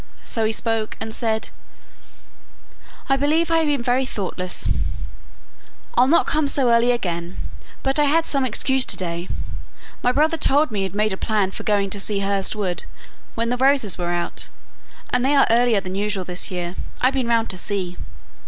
So he spoke, and said, "I believe I have been very thoughtless I'll not come so early again; but I had some excuse to day: my brother told me you had made a plan for going to see Hurst Wood when the roses were out, and they are earlier than usual this year I've been round to see.